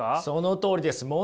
そのとおりです。